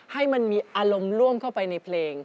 ให้มันมีอารมณ์ร่วมเข้าไปในเพลง